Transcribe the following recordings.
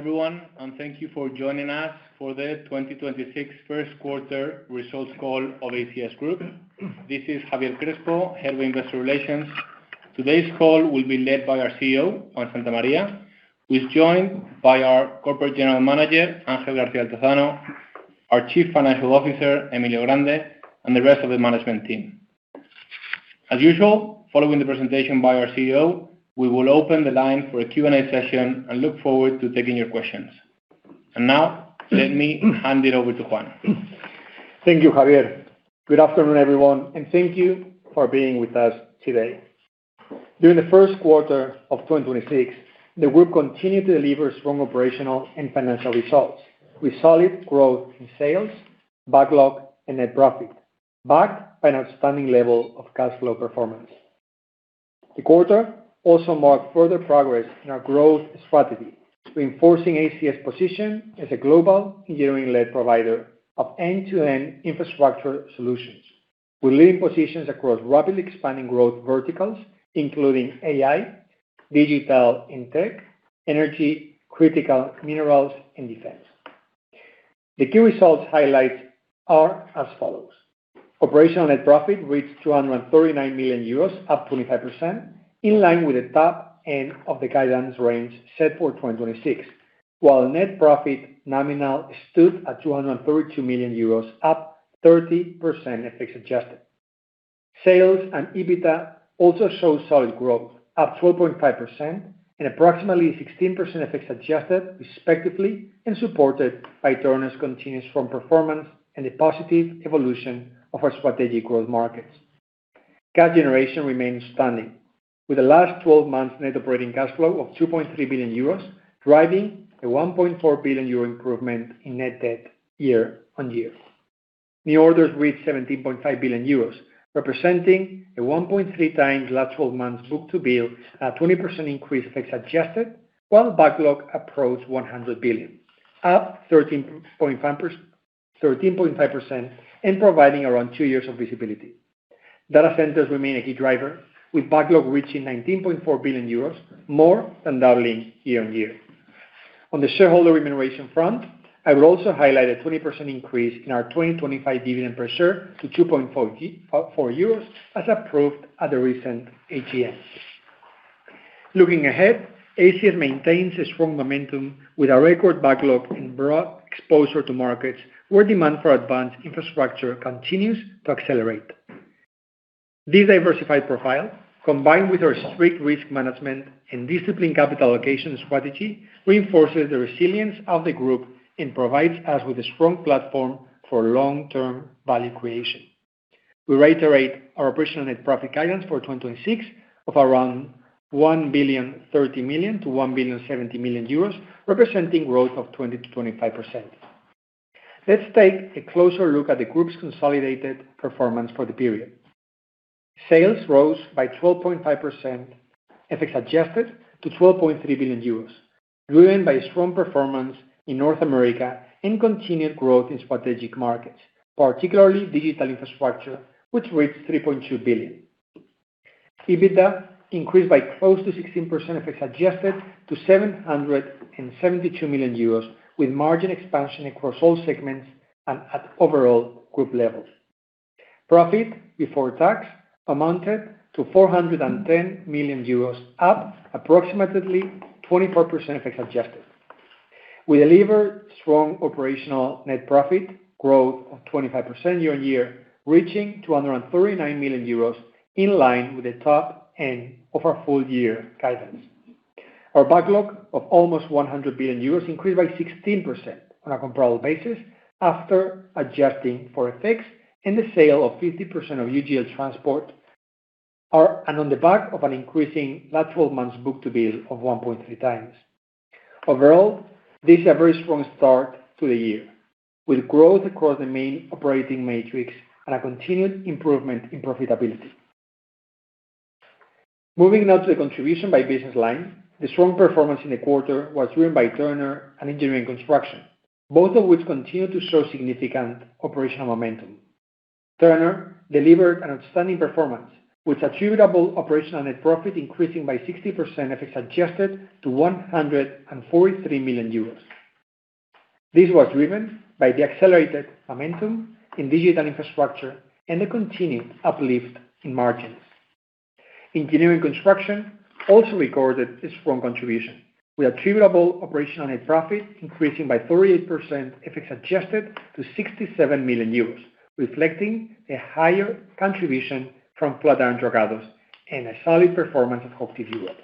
Afternoon, everyone, and thank you for joining us for the 2026 first quarter results call of ACS Group. This is Javier Crespo, Head of Investor Relations. Today's call will be led by our CEO, Juan Santamaría, who is joined by our Corporate General Manager, Ángel García Altozano, our Chief Financial Officer, Emilio Grande, and the rest of the management team. As usual, following the presentation by our CEO, we will open the line for a Q&A session and look forward to taking your questions. Now, let me hand it over to Juan. Thank you, Javier. Good afternoon, everyone, and thank you for being with us today. During the first quarter of 2026, the Group continued to deliver strong operational and financial results, with solid growth in sales, backlog, and net profit, backed by an outstanding level of cash flow performance. The quarter also marked further progress in our growth strategy, reinforcing ACS position as a global engineering-led provider of end-to-end infrastructure solutions. We're leading positions across rapidly expanding growth verticals, including AI, digital and tech, energy, critical minerals and defense. The key results highlights are as follows: Operational net profit reached 239 million euros, up 25%, in line with the top end of the guidance range set for 2026. While net profit nominal stood at 232 million euros, up 30% FX adjusted. Sales and EBITDA also show solid growth, up 4.5% and approximately 16% FX adjusted respectively, and supported by Turner's continuous strong performance and the positive evolution of our strategic growth markets. Cash generation remains standing, with the last 12 months net operating cash flow of 2.3 billion euros, driving a 1.4 billion euro improvement in net debt year-on-year. New orders reached 17.5 billion euros, representing a 1.3x last 12 months book-to-bill at 20% increase FX adjusted, while backlog approached 100 billion, up 13.5% and providing around two years of visibility. Data centers remain a key driver, with backlog reaching 19.4 billion euros, more than doubling year-on-year. On the shareholder remuneration front, I will also highlight a 20% increase in our 2025 dividend per share to 2.4 euros as approved at the recent AGM. Looking ahead, ACS maintains a strong momentum with a record backlog and broad exposure to markets where demand for advanced infrastructure continues to accelerate. This diversified profile, combined with our strict risk management and disciplined capital allocation strategy, reinforces the resilience of the Group and provides us with a strong platform for long-term value creation. We reiterate our operational net profit guidance for 2026 of around 1.03 billion to 1.07 billion, representing growth of 20%-25%. Let's take a closer look at the Group's consolidated performance for the period. Sales rose by 12.5% FX-adjusted to 12.3 billion euros, driven by strong performance in North America and continued growth in strategic markets, particularly digital infrastructure, which reached 3.2 billion. EBITDA increased by close to 16% FX-adjusted to 772 million euros, with margin expansion across all segments and at overall Group levels. Profit before tax amounted to 410 million euros, up approximately 24% FX-adjusted. We delivered strong operational net profit growth of 25% year-on-year, reaching 239 million euros, in line with the top end of our full year guidance. Our backlog of almost 100 billion euros increased by 16% on a comparable basis after adjusting for FX and the sale of 50% of UGL Transport on the back of an increasing last 12 months book-to-bill of 1.3x. Overall, this is a very strong start to the year, with growth across the main operating matrix and a continued improvement in profitability. Moving now to the contribution by business line, the strong performance in the quarter was driven by Turner and Engineering Construction, both of which continued to show significant operational momentum. Turner delivered an outstanding performance, with attributable operational net profit increasing by 60% FX adjusted to 143 million euros. This was driven by the accelerated momentum in digital infrastructure and the continued uplift in margins. Engineering Construction also recorded a strong contribution, with attributable operational net profit increasing by 38% FX-adjusted to 67 million euros, reflecting a higher contribution from FlatironDragados and a solid performance of HOCHTIEF Europe.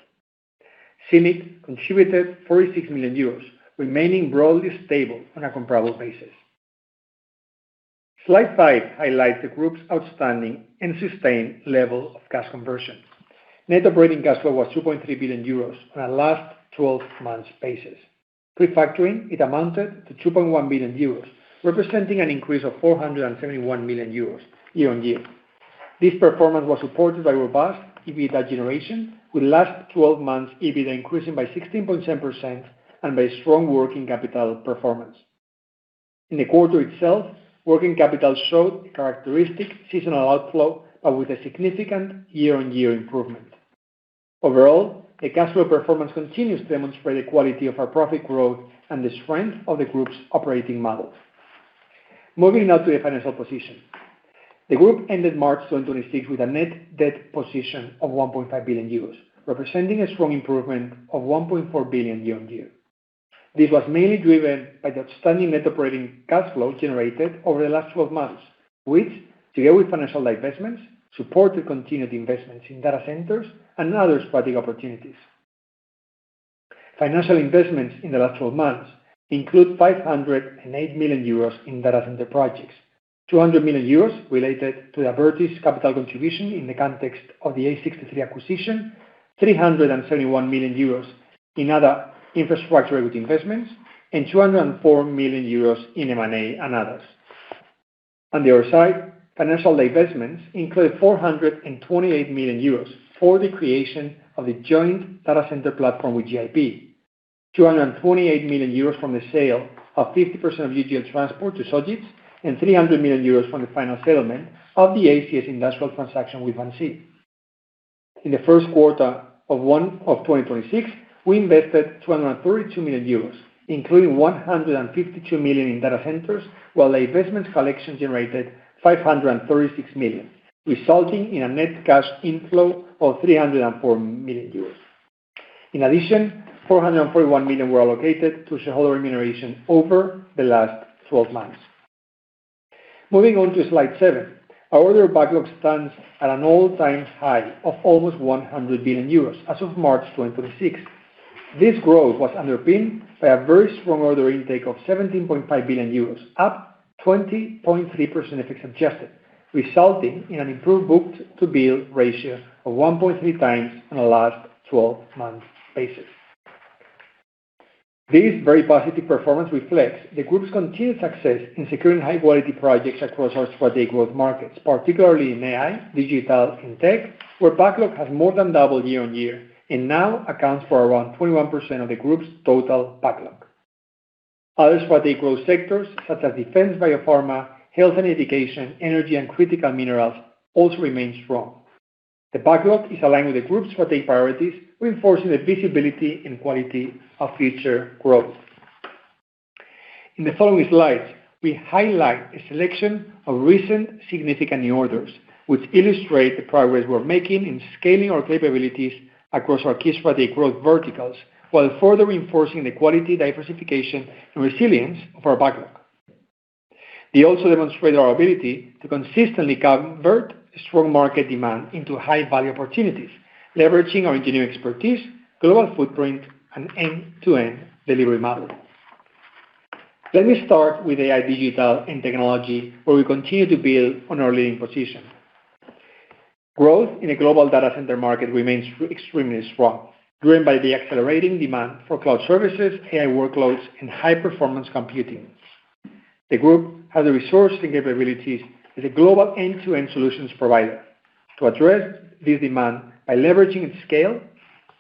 CIMIC contributed 46 million euros, remaining broadly stable on a comparable basis. Slide five highlights the Group's outstanding and sustained level of cash conversion. Net operating cash flow was 2.3 billion euros on a last 12 months basis. Pre-factoring, it amounted to 2.1 billion euros, representing an increase of 471 million euros year-on-year. This performance was supported by robust EBITDA generation, with last 12 months EBITDA increasing by 16.7% and by strong working capital performance. In the quarter itself, working capital showed characteristic seasonal outflow, but with a significant year-on-year improvement. Overall, the cash flow performance continues to demonstrate the quality of our profit growth and the strength of the Group's operating models. Moving now to the financial position. The Group ended March 2026 with a net debt position of 1.5 billion euros, representing a strong improvement of 1.4 billion year-on-year. This was mainly driven by the outstanding net operating cash flow generated over the last 12 months, which, together with financial investments, supported continued investments in data centers and other strategic opportunities. Financial investments in the last 12 months include 508 million euros in data center projects, 200 million euros related to Abertis' capital contribution in the context of the A-63 acquisition, 371 million euros in other infrastructure investments, and 204 million euros in M&A and others. On the other side, financial divestments include 428 million euros for the creation of the joint data center platform with GIP, 228 million euros from the sale of 50% of UGL Transport to Sojitz, and 300 million euros from the final settlement of the ACS Industrial transaction with VINCI. In the first quarter of 2026, we invested 232 million euros, including 152 million in data centers, while investment collections generated 536 million, resulting in a net cash inflow of 304 million euros. In addition, 441 million were allocated to shareholder remuneration over the last 12 months. Moving on to slide seven. Our order backlog stands at an all-time high of almost 100 billion euros as of March 2026. This growth was underpinned by a very strong order intake of 17.5 billion euros, up 20.3% FX adjusted, resulting in an improved book-to-bill ratio of 1.3x on a last 12 months basis. This very positive performance reflects the Group's continued success in securing high quality projects across our strategic growth markets, particularly in AI, digital, and tech, where backlog has more than doubled year-on-year and now accounts for around 21% of the Group's total backlog. Other strategic growth sectors, such as defense biopharma, health and education, energy and critical minerals also remain strong. The backlog is aligned with the Group's strategic priorities, reinforcing the visibility and quality of future growth. In the following slides, we highlight a selection of recent significant new orders, which illustrate the progress we're making in scaling our capabilities across our key strategic growth verticals, while further reinforcing the quality, diversification, and resilience of our backlog. They also demonstrate our ability to consistently convert strong market demand into high value opportunities, leveraging our engineering expertise, global footprint, and end-to-end delivery model. Let me start with AI, digital, and technology, where we continue to build on our leading position. Growth in the global data center market remains extremely strong, driven by the accelerating demand for cloud services, AI workloads, and high performance computing. The Group has the resource and capabilities as a global end-to-end solutions provider to address this demand by leveraging its scale,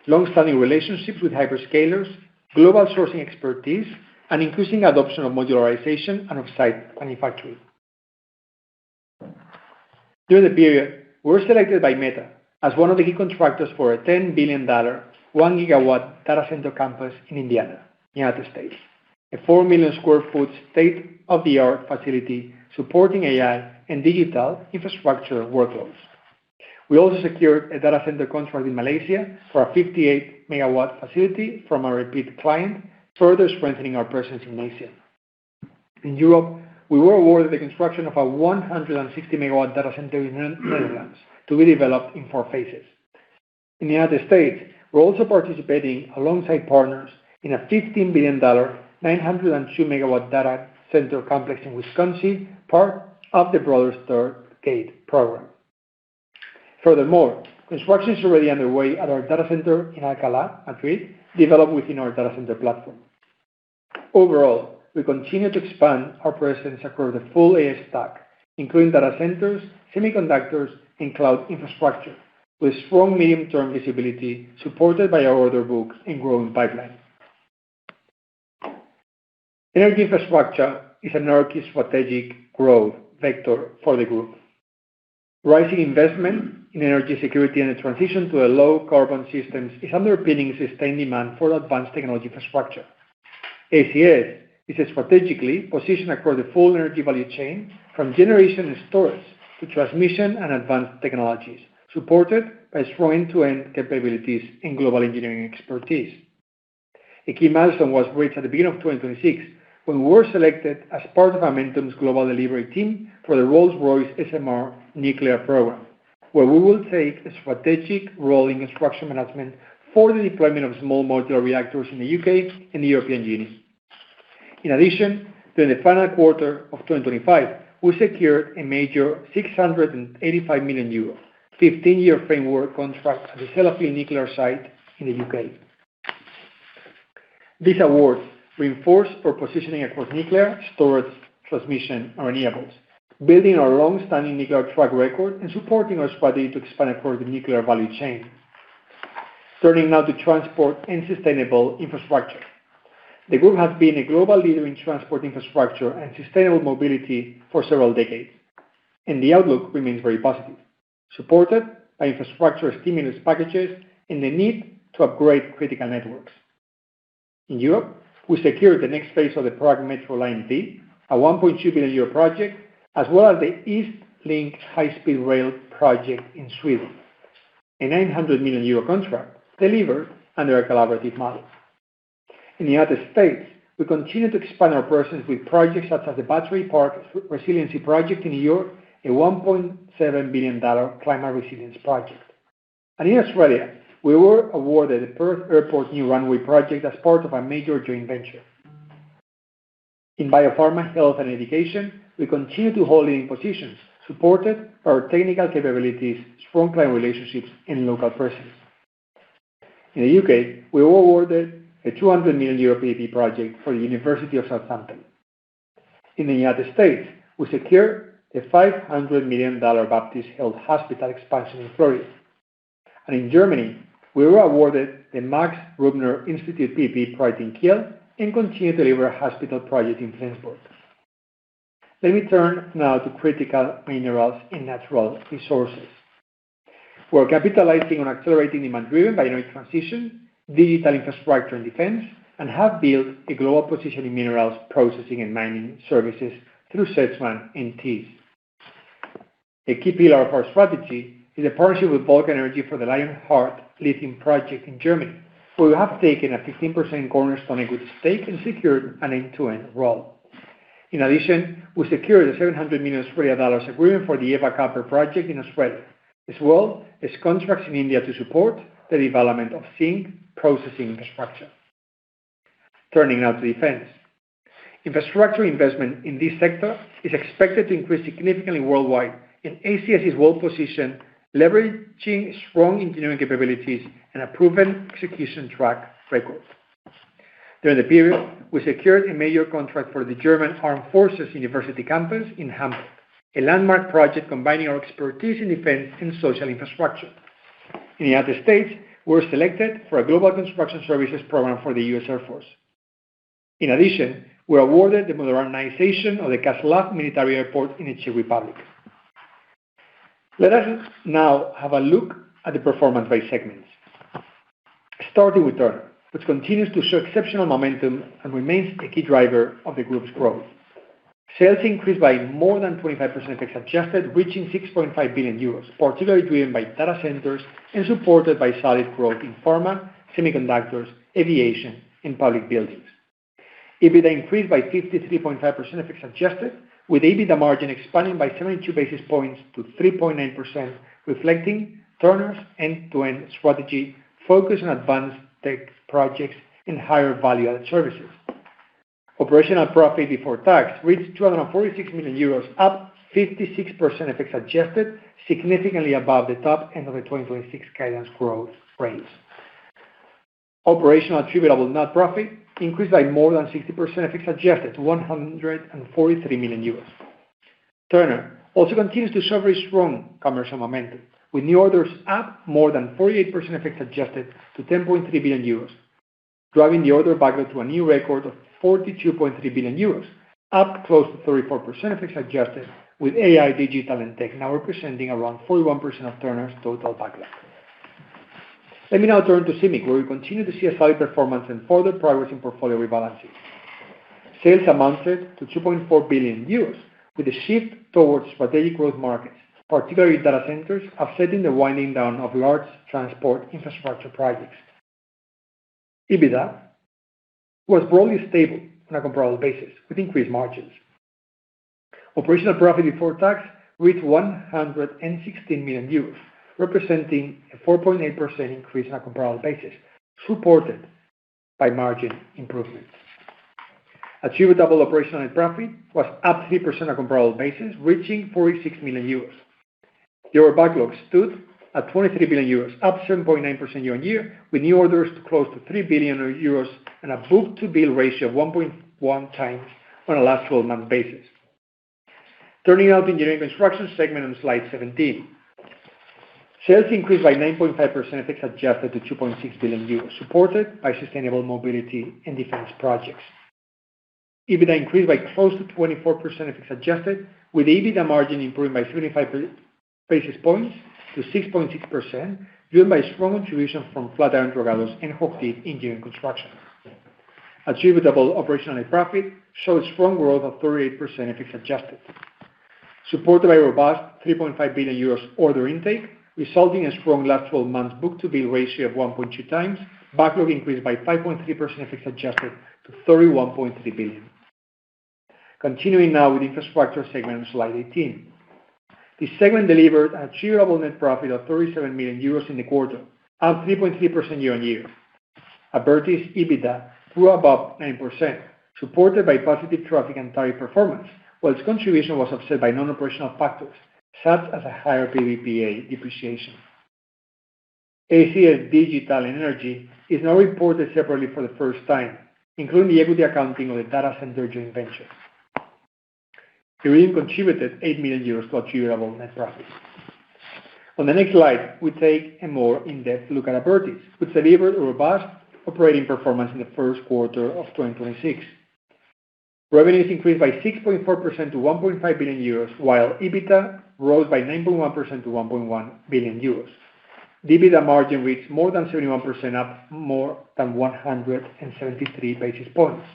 long-standing relationships with hyperscalers, global sourcing expertise, and increasing adoption of modularization and off-site manufacturing. During the period, we were selected by Meta as one of the key contractors for a $10 billion, 1 GW data center campus in Indiana, U.S., a 4,000,000 sq ft state-of-the-art facility supporting AI and digital infrastructure workloads. We also secured a data center contract in Malaysia for a 58 MW facility from a repeat client, further strengthening our presence in Malaysia. In Europe, we were awarded the construction of a 160 MW data center in Netherlands to be developed in four phases. In the U.S., we are also participating alongside partners in a $15 billion, 902 MW data center complex in Wisconsin, part of the broader Stargate program. Furthermore, construction is already underway at our data center in Alcalá, Madrid, developed within our data center platform. Overall, we continue to expand our presence across the full AI stack, including data centers, semiconductors, and cloud infrastructure, with strong medium-term visibility supported by our order book and growing pipeline. Energy infrastructure is another key strategic growth vector for the Group. Rising investment in energy security and a transition to a low-carbon systems is underpinning sustained demand for advanced technology infrastructure. ACS is strategically positioned across the full energy value chain, from generation and storage to transmission and advanced technologies, supported by strong end-to-end capabilities and global engineering expertise. A key milestone was reached at the beginning of 2026, when we were selected as part of Amentum's global delivery team for the Rolls-Royce SMR program, where we will take a strategic role in construction management for the deployment of small modular reactors in the U.K. and the European Union. In addition, during the final quarter of 2025, we secured a major 685 million euro, 15-year framework contract to sell a nuclear site in the U.K. These awards reinforce our positioning across nuclear, storage, transmission, and renewables, building our long-standing nuclear track record and supporting our strategy to expand across the nuclear value chain. Turning now to transport and sustainable infrastructure. The Group has been a global leader in transport infrastructure and sustainable mobility for several decades, and the outlook remains very positive, supported by infrastructure stimulus packages and the need to upgrade critical networks. In Europe, we secured the next phase of the Prague Metro Line B, a 1.2 billion euro project, as well as the East Link High Speed Rail project in Sweden, a 900 million euro contract delivered under a collaborative model. In the U.S., we continue to expand our presence with projects such as the Battery Park Resiliency project in New York, a $1.7 billion climate resilience project. In Australia, we were awarded the Perth Airport new runway project as part of a major joint venture. In biopharma, health and education, we continue to hold leading positions supported by our technical capabilities, strong client relationships and local presence. In the U.K., we were awarded a 200 million euro PPP project for the University of Southampton. In the U.S., we secured a $500 million Baptist Health Hospital expansion project. In Germany, we were awarded the Max Rubner Institute PPP project in Kiel and continue to deliver a hospital project in Flensburg. Let me turn now to critical minerals in natural resources. We're capitalizing on accelerating demand driven by energy transition, digital infrastructure and defense, and have built a global position in minerals processing and mining services through Sedgman and Thiess. A key pillar of our strategy is a partnership with Vulcan Energy for the Lionheart Lithium project in Germany, where we have taken a 15% cornerstone equity stake and secured an end-to-end role. In addition, we secured an 700 million Australian dollars agreement for the Eva Copper Project in Australia, as well as contracts in India to support the development of zinc processing infrastructure. Turning now to defense. Infrastructure investment in this sector is expected to increase significantly worldwide, and ACS is well-positioned, leveraging strong engineering capabilities and a proven execution track record. During the period, we secured a major contract for the German Armed Forces University Campus in Hamburg, a landmark project combining our expertise in defense and social infrastructure. In the U.S., we're selected for a global construction services program for the U.S. Air Force. In addition, we're awarded the modernization of the Čáslav Military Airport in the Czech Republic. Let us now have a look at the performance by segments. Starting with Turner, which continues to show exceptional momentum and remains a key driver of the Group's growth. Sales increased by more than 25% FX-adjusted, reaching 6.5 billion euros, particularly driven by data centers and supported by solid growth in pharma, semiconductors, aviation and public buildings. EBITDA increased by 53.5% FX adjusted, with EBITDA margin expanding by 72 basis points to 3.9%, reflecting Turner's end-to-end strategy focused on advanced tech projects and higher value-add services. Operational profit before tax reached 246 million euros, up 56% FX adjusted, significantly above the top end of the 2026 guidance growth range. Operational attributable net profit increased by more than 60% FX adjusted to 143 million. Turner also continues to show very strong commercial momentum, with new orders up more than 48% FX adjusted to 10.3 billion euros, driving the order backlog to a new record of 42.3 billion euros, up close to 34% FX adjusted, with AI, digital and tech now representing around 41% of Turner's total backlog. Let me now turn to CIMIC, where we continue to see a solid performance and further progress in portfolio rebalancing. Sales amounted to 2.4 billion euros, with a shift towards strategic growth markets, particularly data centers, offsetting the winding down of large transport infrastructure projects. EBITDA was broadly stable on a comparable basis with increased margins. Operational profit before tax reached 116 million euros, representing a 4.8% increase on a comparable basis, supported by margin improvements. Attributable operational profit was up 3% on comparable basis, reaching 46 million euros. Your backlog stood at 23 billion euros, up 7.9% year-on-year, with new orders close to 3 billion euros and a book-to-bill ratio of 1.1x on a last 12 month basis. Turning now to Engineering Construction segment on slide 17. Sales increased by 9.5% FX adjusted to 2.6 billion euros, supported by sustainable mobility and defense projects. EBITDA increased by close to 24% FX adjusted, with EBITDA margin improving by 75 basis points to 6.6%, driven by strong contribution from FlatironDragados and HOCHTIEF engineering construction. Attributable operational profit showed strong growth of 38% FX adjusted, supported by a robust 3.5 billion euros order intake, resulting in strong last 12 months book-to-bill ratio of 1.2x. Backlog increased by 5.3% FX adjusted to 31.3 billion. Continuing now with Infrastructure segment on slide 18. This segment delivered attributable net profit of 37 million euros in the quarter, up 3.3% year-on-year. Abertis EBITDA grew above 9%, supported by positive traffic and tariff performance, while its contribution was offset by non-operational factors such as a higher PPA depreciation. ACS Digital & Energy is now reported separately for the first time, including the equity accounting of the data center joint venture. Iridium contributed 8 million euros to achieve our net profit. On the next slide, we take a more in-depth look at Abertis, which delivered a robust operating performance in the first quarter of 2026. Revenues increased by 6.4% to 1.5 billion euros, while EBITDA rose by 9.1% to 1.1 billion euros. The EBITDA margin reached more than 71%, up more than 173 basis points.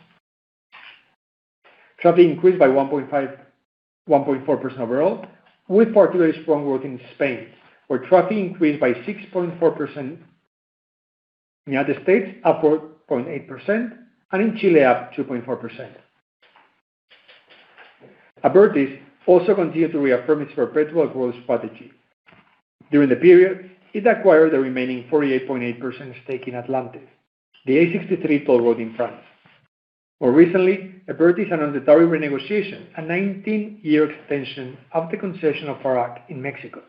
Traffic increased by 1.4% overall, with particularly strong growth in Spain, where traffic increased by 6.4%, in U.S. up 4.8%, and in Chile up 2.4%. Abertis also continued to reaffirm its perpetual growth strategy. During the period, it acquired the remaining 48.8% stake in Atlandes, the A-63 toll road in France. More recently, Abertis announced the tariff renegotiation, a 19-year extension of the concession of FARAC in Mexico.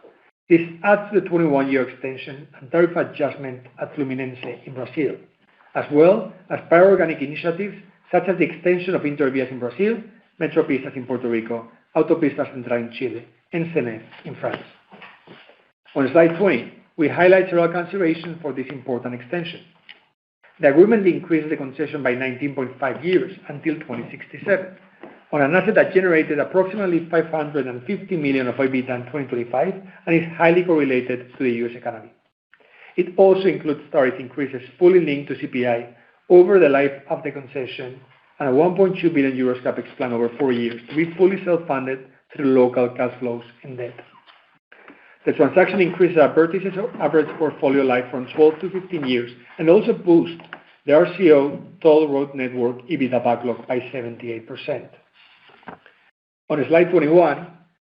This adds to the 21-year extension and tariff adjustment at Fluminense in Brazil, as well as prior organic initiatives such as the extension of Intervias in Brazil, Metropistas in Puerto Rico, Autopista Central in Chile, and Sanef in France. On slide 20, we highlight several considerations for this important extension. The agreement increased the concession by 19.5 years until 2067 on an asset that generated approximately 550 million of EBITDA in 2025 and is highly correlated to the U.S. economy. It also includes tariff increases fully linked to CPI over the life of the concession and a 1.2 billion euros CapEx plan over four years to be fully self-funded through local cash flows and debt. The transaction increased Abertis' average portfolio life from 12 to 15 years and also boost the RCO toll road network EBITDA backlog by 78%. On slide 21,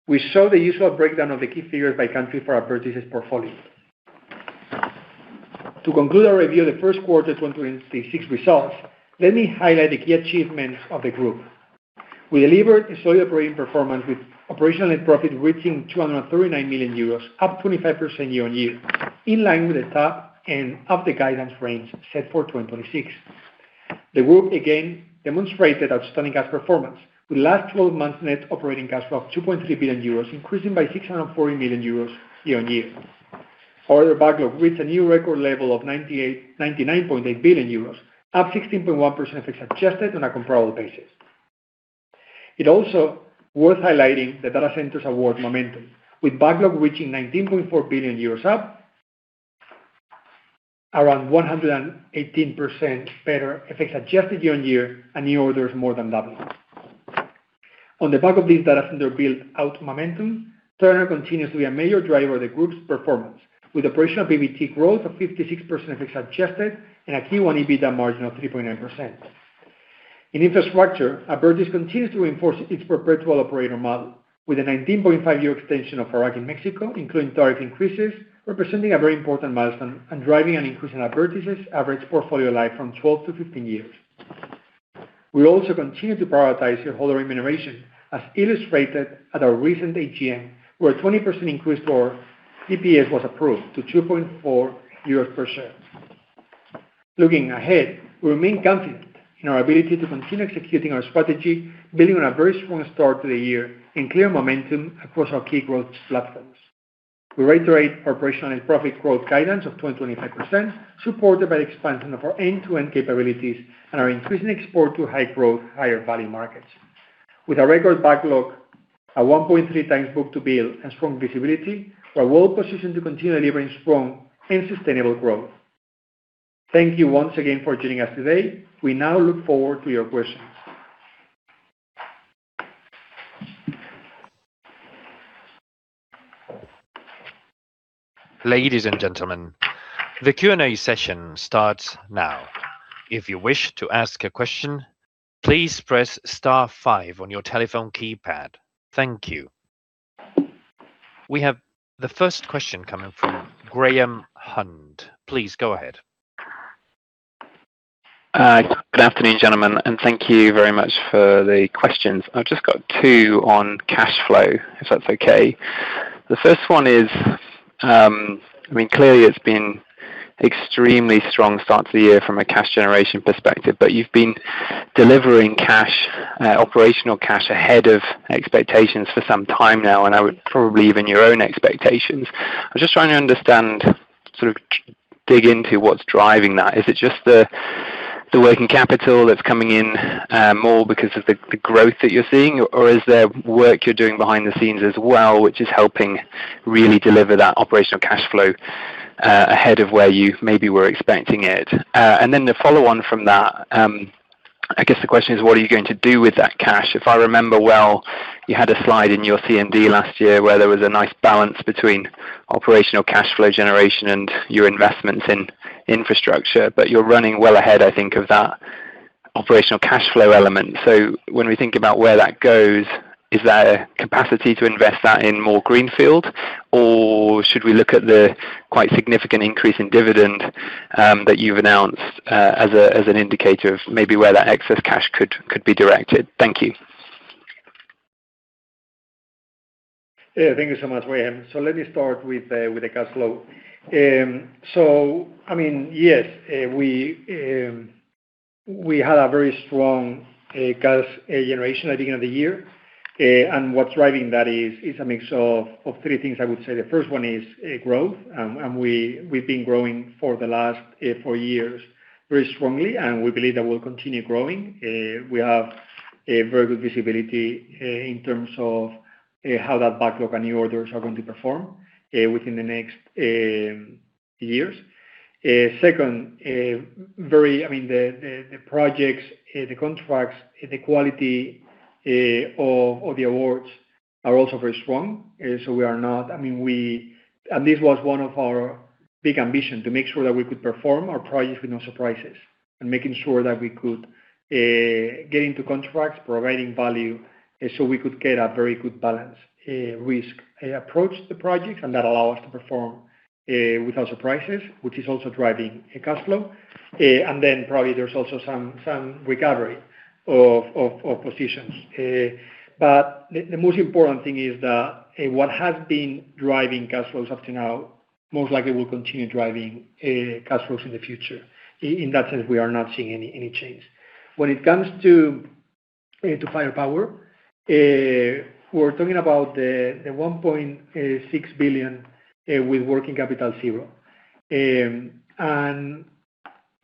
we show the usual breakdown of the key figures by country for Abertis' portfolio. To conclude our review of the first quarter 2026 results, let me highlight the key achievements of the Group. We delivered a solid operating performance with operational profit reaching 239 million euros, up 25% year-on-year, in line with the top end of the guidance range set for 2026. The Group again demonstrated outstanding cash performance with last 12 months net operating cash flow of 2.3 billion euros, increasing by 640 million euros year-on-year. Order backlog reached a new record level of 99.8 billion euros, up 16.1% FX-adjusted on a comparable basis. It is also worth highlighting the data centers award momentum, with backlog reaching 19.4 billion euros, up around 118% better FX-adjusted year-on-year, and new orders more than doubled. On the back of this data center buildout momentum, Turner continues to be a major driver of the Group's performance, with operational PBT growth of 56% FX adjusted and a Q1 EBITDA margin of 3.9%. In Infrastructure, Abertis continues to reinforce its perpetual operator model with a 19.5-year extension of FARAC in Mexico, including tariff increases, representing a very important milestone and driving an increase in Abertis' average portfolio life from 12 to 15 years. We also continue to prioritize shareholder remuneration, as illustrated at our recent AGM, where a 20% increase to our DPS was approved to 2.4 euros per share. Looking ahead, we remain confident in our ability to continue executing our strategy, building on a very strong start to the year and clear momentum across our key growth platforms. We reiterate operational profit growth guidance of 20% to 25%, supported by expansion of our end-to-end capabilities and our increasing export to high-growth, higher-value markets. With a record backlog, a 1.3x book-to-bill, and strong visibility, we're well-positioned to continue delivering strong and sustainable growth. Thank you once again for joining us today. We now look forward to your questions. Ladies and gentlemen, the Q&A session starts now. If you wish to ask a question please press star five on your telephone keypad. Thank you. We have the first question coming from Graham Hunt. Please go ahead. Good afternoon, gentlemen, and thank you very much for the questions. I've just got two on cash flow, if that's okay. The first one is, I mean, clearly it's been extremely strong start to the year from a cash generation perspective, but you've been delivering cash, operational cash ahead of expectations for some time now, and probably even your own expectations. I'm just trying to understand, sort of dig into what's driving that. Is it just the working capital that's coming in, more because of the growth that you're seeing? Or is there work you're doing behind the scenes as well, which is helping really deliver that operational cash flow, ahead of where you maybe were expecting it? Then the follow on from that, I guess the question is, what are you going to do with that cash? If I remember well, you had a slide in your CMD last year where there was a nice balance between operational cash flow generation and your investments in Infrastructure. You're running well ahead, I think, of that operational cash flow element. When we think about where that goes, is there capacity to invest that in more greenfield? Or should we look at the quite significant increase in dividend that you've announced as a, as an indicator of maybe where that excess cash could be directed? Thank you. Yeah, thank you so much, Graham. Let me start with the cash flow. I mean, yes, we had a very strong cash generation at the beginning of the year. What's driving that is a mix of three things I would say. The first one is growth. We, we've been growing for the last four years very strongly, and we believe that we'll continue growing. We have a very good visibility in terms of how that backlog and new orders are going to perform within the next years. Second, very I mean, the projects, the contracts, the quality of the awards are also very strong. We are not I mean, this was one of our big ambition, to make sure that we could perform our projects with no surprises. Making sure that we could get into contracts, providing value, so we could get a very good balance risk approach to the project. That allow us to perform without surprises, which is also driving cash flow. Probably there's also some recovery of positions. The most important thing is that what has been driving cash flows up to now most likely will continue driving cash flows in the future. In that sense, we are not seeing any change. When it comes to Firepower, we're talking about the 1.6 billion with working capital zero.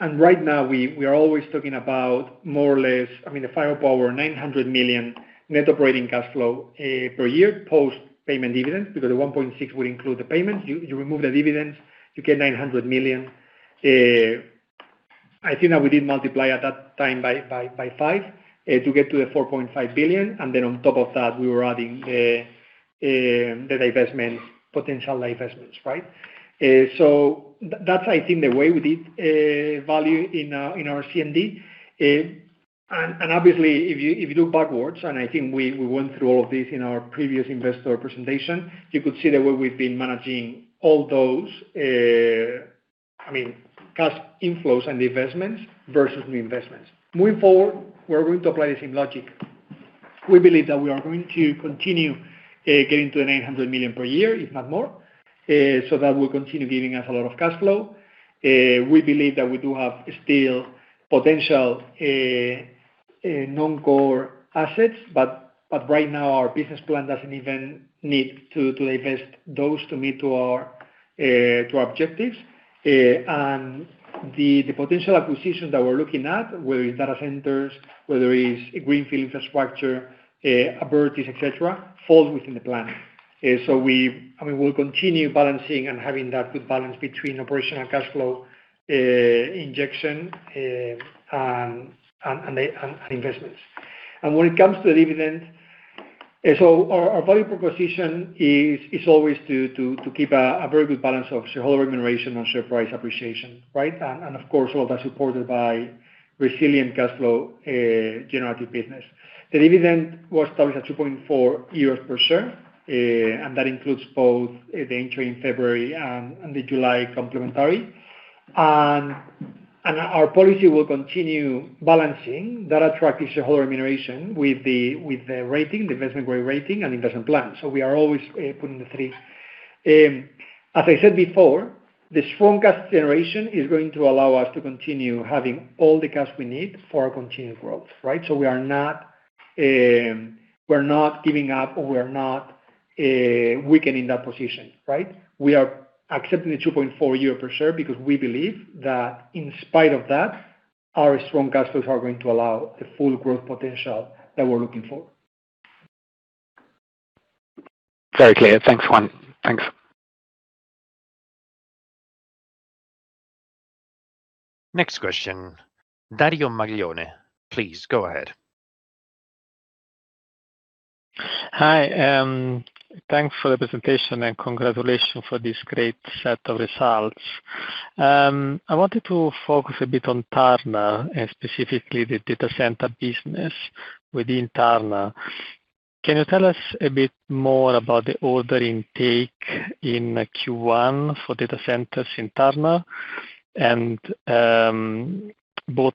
Right now, we are always talking about more or less, I mean, the Firepower 900 million net operating cash flow per year post-payment dividend, because the 1.6 billion will include the payment. You remove the dividends, you get 900 million. I think that we did multiply at that time by five to get to the 4.5 billion. On top of that, we were adding the divestment, potential divestments, right? That's I think the way we did value in our CMD. Obviously, if you do backwards, and I think we went through all of this in our previous investor presentation, you could see the way we've been managing all those, I mean, cash inflows and the investments versus new investments. Moving forward, we're going to apply the same logic. We believe that we are going to continue getting to the 800 million per year, if not more, so that will continue giving us a lot of cash flow. We believe that we do have still potential non-core assets, but right now, our business plan doesn't even need to divest those to meet our objectives. The potential acquisitions that we're looking at, whether it's data centers, whether it's greenfield infrastructure, Abertis, et cetera, falls within the plan. I mean, we'll continue balancing and having that good balance between operational cash flow injection and investments. When it comes to the dividend, our value proposition is always to keep a very good balance of shareholder remuneration and share price appreciation, right. Of course, all that supported by resilient cash flow generative business. The dividend was started at 2.4 euros per share, and that includes both the entry in February and the July complementary. Our policy will continue balancing that attractive shareholder remuneration with the rating, the investment grade rating, and investment plan. We are always putting the three. As I said before, the strong cash generation is going to allow us to continue having all the cash we need for our continued growth, right. We are not, we're not giving up or we are not weakening that position, right. We are accepting the 2.4 euro per share because we believe that in spite of that, our strong cash flows are going to allow the full growth potential that we're looking for. Very clear. Thanks, Juan. Thanks. Next question, Dario Maglione, please go ahead. Hi, thanks for the presentation, and congratulations for this great set of results. I wanted to focus a bit on Turner, and specifically the data center business within Turner. Can you tell us a bit more about the order intake in Q1 for data centers in Turner? Both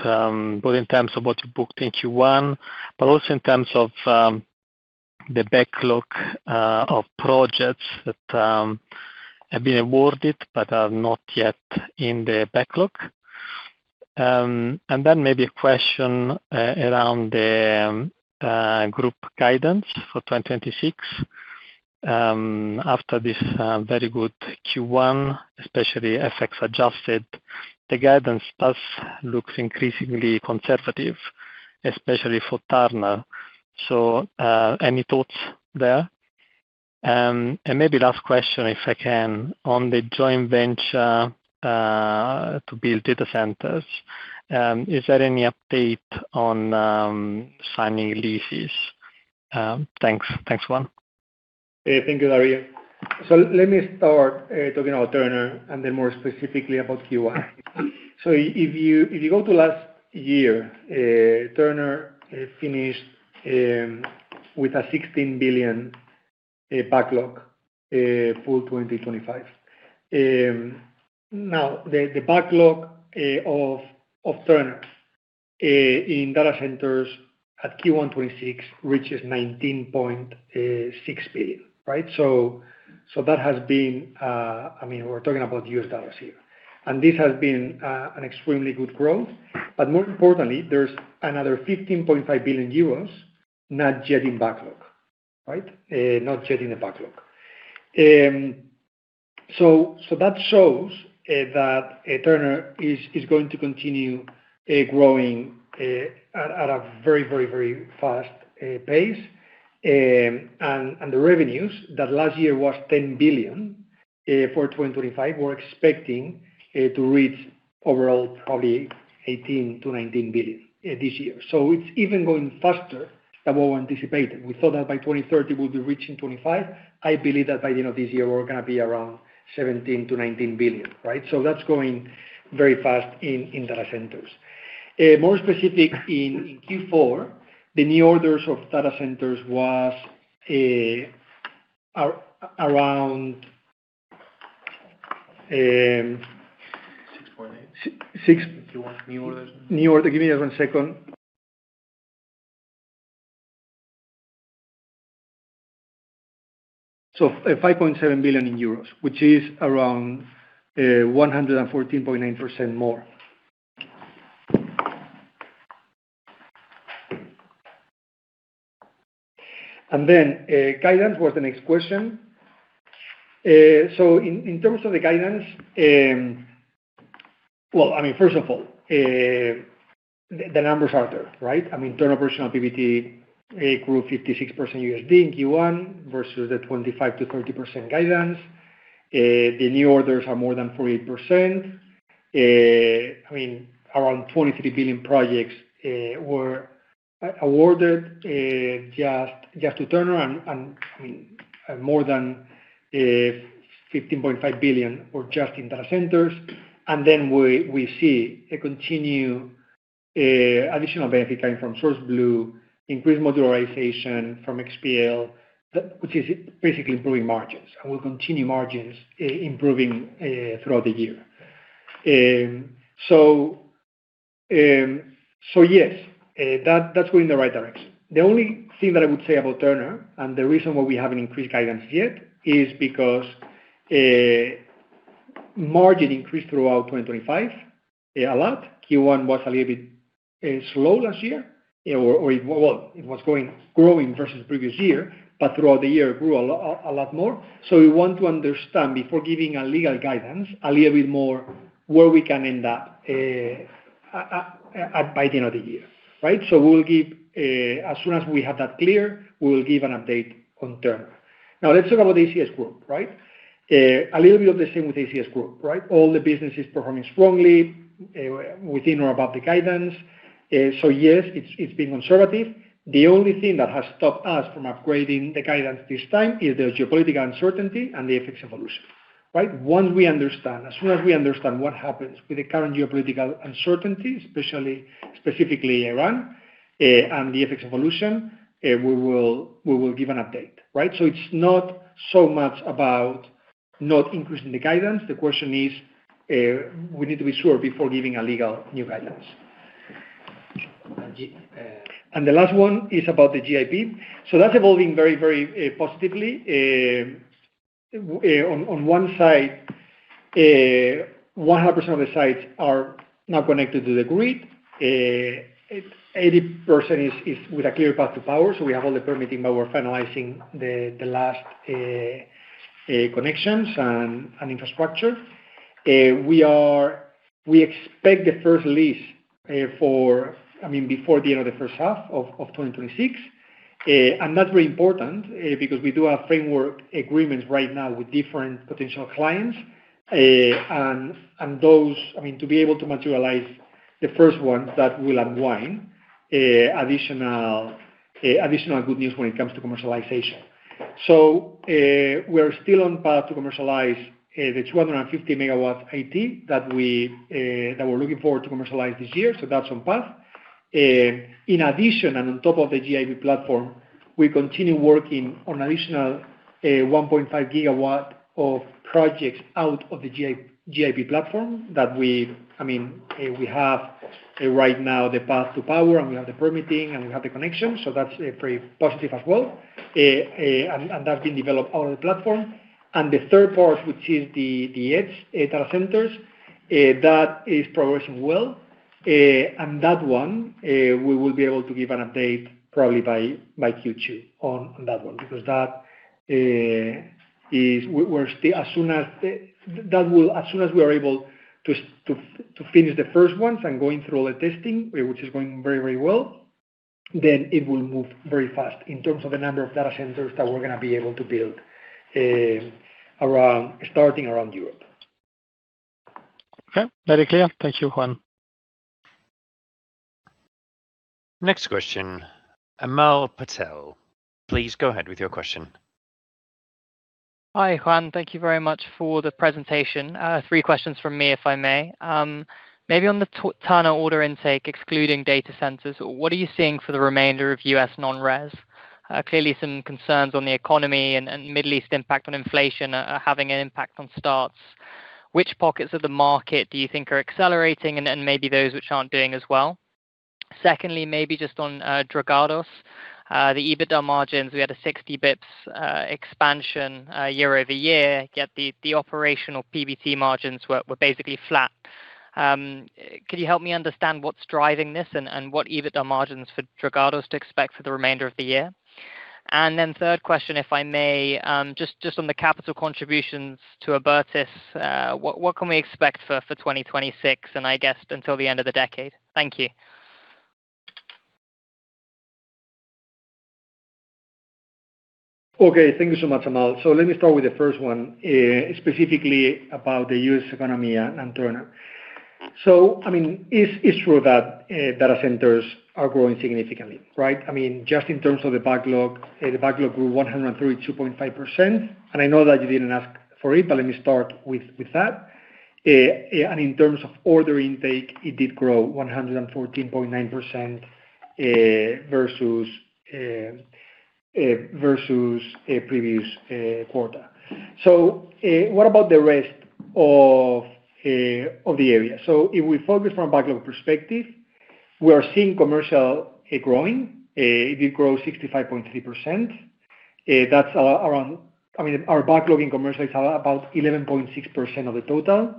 in terms of what you booked in Q1, but also in terms of the backlog of projects that have been awarded but are not yet in the backlog. Maybe a question around the Group guidance for 2026. After this very good Q1, especially FX adjusted, the guidance thus looks increasingly conservative, especially for Turner. Any thoughts there? Maybe last question, if I can. On the joint venture to build data centers, is there any update on signing leases? Thanks. Thanks, Juan. Thank you, Dario. Let me start talking about Turner, and then more specifically about Q1. If you go to last year, Turner finished with a $16 billion backlog full 2025. Now, the backlog of Turner in data centers at Q1 2026 reaches $19.6 billion, right? That has been, I mean, we're talking about US dollars here. This has been an extremely good growth. More importantly, there's another 15.5 billion euros not yet in backlog, right? Not yet in the backlog. That shows that Turner is going to continue growing at a very fast pace. The revenues that last year was 10 billion, for 2025, we're expecting to reach overall probably 18 billion-19 billion this year. It's even going faster than what we anticipated. We thought that by 2030 we'll be reaching 25 billion. I believe that by the end of this year, we're gonna be around 17 billion-19 billion, right? That's going very fast in data centers. More specific in Q4, the new orders of data centers was around... 6.8— 6— —Q1 new orders. New order, give me just one second. EUR 5.7 billion, which is around 114.9% more. Guidance was the next question. In terms of the guidance, first of all, the numbers are there, right? Turner operational EBITDA grew 56% USD in Q1 versus the 25%-30% guidance. The new orders are more than 48%. Around $23 billion projects were awarded just to Turner. More than $15.5 billion were just in data centers. We see a continued additional benefit coming from SourceBlue, increased modularization from xPL, which is basically improving margins, and will continue margins improving throughout the year. Yes, that's going in the right direction. The only thing that I would say about Turner, and the reason why we haven't increased guidance yet, is because margin increased throughout 2025 a lot. Q1 was a little bit slow last year, or, well, it was growing versus previous year, but throughout the year grew a lot more. We want to understand, before giving a legal guidance, a little bit more where we can end up at by the end of the year, right? We'll give, as soon as we have that clear, we will give an update on Turner. Let's talk about ACS Group, right? A little bit of the same with ACS Group, right? All the business is performing strongly, within or above the guidance. Yes, it's been conservative. The only thing that has stopped us from upgrading the guidance this time is the geopolitical uncertainty and the FX evolution, right? Once we understand, as soon as we understand what happens with the current geopolitical uncertainty, especially specifically Iran, and the FX evolution, we will give an update, right? It's not so much about not increasing the guidance. The question is, we need to be sure before giving a legal new guidance. The last one is about the GIP. That's evolving very, very positively. On one side, 100% of the sites are now connected to the grid. 80% is with a clear path to power. We have all the permitting, but we're finalizing the last connections and infrastructure. We expect the first lease, I mean, before the end of the first half of 2026. That's very important because we do have framework agreements right now with different potential clients. And those I mean, to be able to materialize the first ones, that will unwind additional good news when it comes to commercialization. We are still on path to commercialize the 250 MW IT that we that we're looking forward to commercialize this year. That's on path. In addition, and on top of the GIP platform, we continue working on additional 1.5 GW of projects out of the GIP platform that we've I mean, we have right now the path to power, and we have the permitting, and we have the connection. That's very positive as well. That's being developed on the platform. The third part, which is the the edge data centers that is progressing well. That one, we will be able to give an update probably by Q2 on that one, because that We're still, as soon as we are able to finish the first ones and going through all the testing, which is going very, very well, then it will move very fast in terms of the number of data centers that we're gonna be able to build, around, starting around Europe. Okay. Very clear. Thank you, Juan. Next question, Amal Patel, please go ahead with your question. Hi, Juan. Thank you very much for the presentation. Three questions from me, if I may. Maybe on the Turner order intake, excluding data centers, what are you seeing for the remainder of U.S. non-res? Clearly some concerns on the economy and Middle East impact on inflation are having an impact on starts. Which pockets of the market do you think are accelerating and then maybe those which aren't doing as well? Secondly, maybe just on Dragados, the EBITDA margins, we had a 60 basis points expansion year-over-year, yet the operational PBT margins were basically flat. Could you help me understand what's driving this? And what EBITDA margins for Dragados to expect for the remainder of the year? Third question, if I may, just on the capital contributions to Abertis, what can we expect for 2026, and I guess until the end of the decade? Thank you. Thank you so much, Amal. Let me start with the first one, specifically about the U.S. economy and Turner. I mean, it's true that data centers are growing significantly, right? I mean, just in terms of the backlog, the backlog grew 132.5%. I know that you didn't ask for it, let me start with that. In terms of order intake, it did grow 114.9% versus previous quarter. What about the rest of the area? If we focus from a backlog perspective, we are seeing commercial growing. It did grow 65.3%. That's around I mean, our backlog in commercial is around about 11.6% of the total.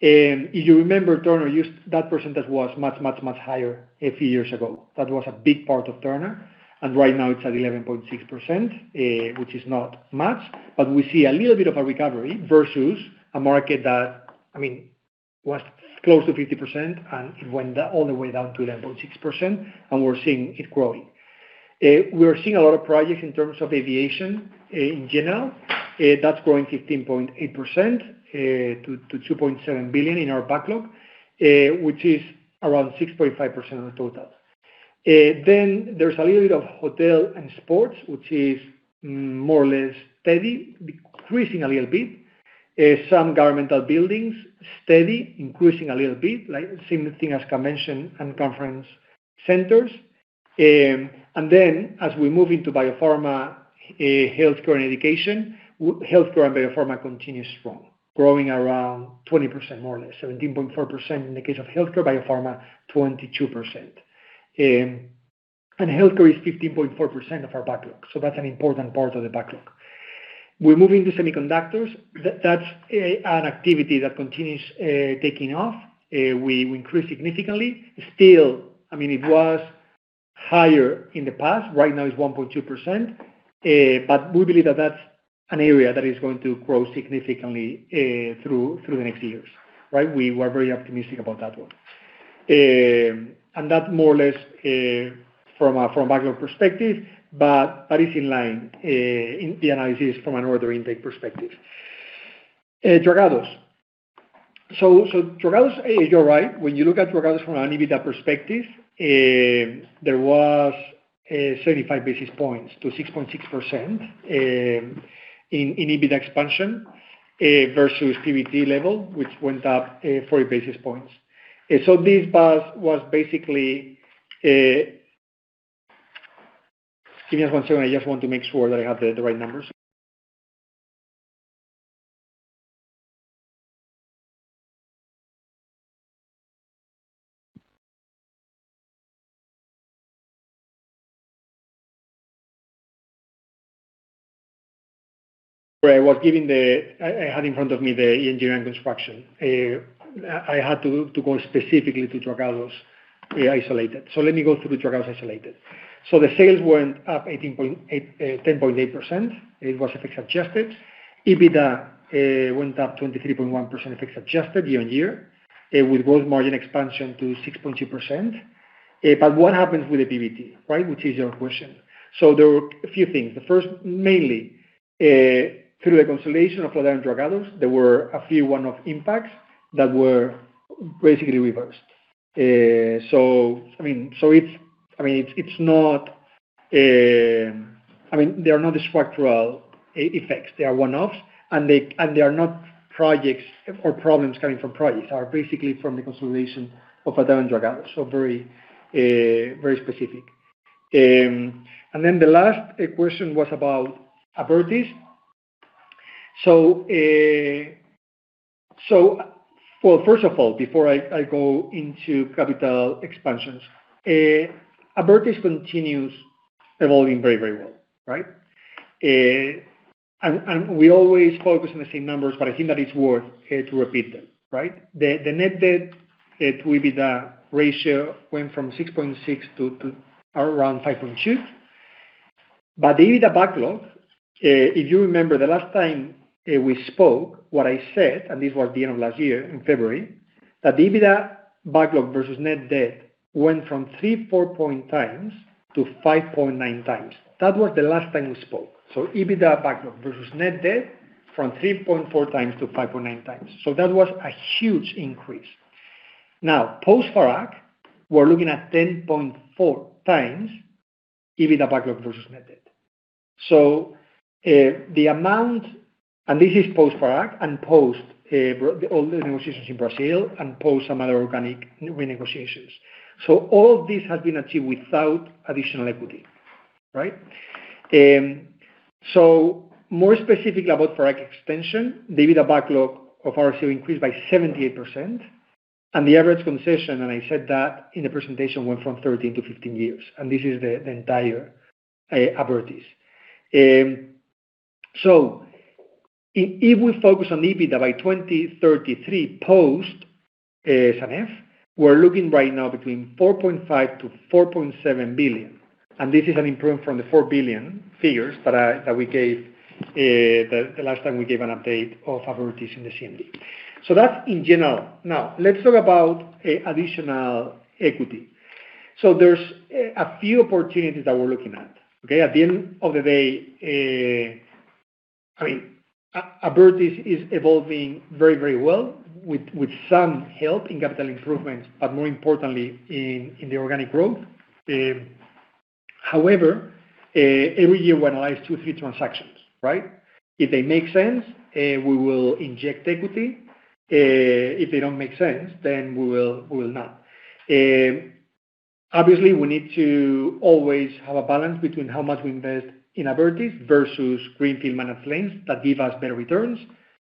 If you remember, Turner that percentage was much, much, much higher a few years ago. That was a big part of Turner, right now it's at 11.6%, which is not much. We see a little bit of a recovery versus a market that, I mean, was close to 50%, it went all the way down to 11.6%, and we're seeing it growing. We're seeing a lot of projects in terms of aviation in general. That's growing 15.8% to 2.7 billion in our backlog, which is around 6.5% of the total. There's a little bit of hotel and sports, which is more or less steady, decreasing a little bit. Some governmental buildings, steady, increasing a little bit, like same thing as convention and conference centers. As we move into biopharma, healthcare, and education, healthcare and biopharma continues strong, growing around 20% more or less. 17.4% in the case of healthcare, biopharma, 22%. Healthcare is 15.4% of our backlog. That's an important part of the backlog. We're moving to semiconductors. That's an activity that continues taking off. We increased significantly. Still, I mean, it was higher in the past. Right now it's 1.2%. We believe that that's an area that is going to grow significantly through the next years, right? We're very optimistic about that one. That more or less, from a backlog perspective, is in line in the analysis from an order intake perspective. Dragados. Dragados, you're right. When you look at Dragados from an EBITDA perspective, there was 75 basis points to 6.6% EBITDA expansion versus PBT level, which went up 40 basis points. This was basically. Give me just one second. I just want to make sure that I have the right numbers. Sorry, I was given. I had in front of me the engineering construction. I had to go specifically to Dragados isolated. Let me go through Dragados isolated. The sales went up 10.8%. It was FX adjusted. EBITDA went up 23.1% FX adjusted year-on-year. With gross margin expansion to 6.2%. What happens with the PBT, right? Which is your question. There were a few things. The first, mainly, through the consolidation of Dragados, there were a few one-off impacts that were basically reversed. I mean, it's not, I mean, they are not structural effects. They are one-offs, and they are not projects or problems coming from projects. They are basically from the consolidation of Dragados. Very, very specific. The last question was about Abertis. First of all, before I go into capital expansions, Abertis continues evolving very, very well, right? We always focus on the same numbers, I think that it's worth to repeat them, right? The net debt to EBITDA ratio went from 6.6x to around 5.2x. The EBITDA backlog, if you remember the last time we spoke, what I said, and this was the end of last year in February, that the EBITDA backlog versus net debt went from 3.4x to 5.9x. That was the last time we spoke. EBITDA backlog versus net debt from 3.4x to 5.9x. Post FARAC, we're looking at 10.4x EBITDA backlog versus net debt. The amount, this is post FARAC and post all the negotiations in Brazil and post some other organic renegotiations. All this has been achieved without additional equity, right? More specifically about product expansion, the EBITDA backlog of RCO increased by 78%. The average concession, and I said that in the presentation, went from 13 to 15 years, and this is the entire Abertis. If we focus on EBITDA by 2033 post Sanef, we're looking right now between 4.5 billion to 4.7 billion. This is an improvement from the 4 billion figures that we gave the last time we gave an update of Abertis in the CMD. That's in general. Now let's talk about additional equity. There's a few opportunities that we're looking at, okay? At the end of the day, I mean, Abertis is evolving very, very well with some help in capital improvements, but more importantly, in the organic growth. However, every year we analyze two, three transactions, right? If they make sense, we will inject equity. If they don't make sense, then we will not. Obviously we need to always have a balance between how much we invest in Abertis versus greenfield managed lanes that give us better returns